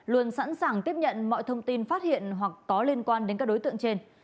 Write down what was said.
luôn sẵn sàng tiếp nhận mọi thông tin phát hiện hoặc có liên quan đến các đối tượng trên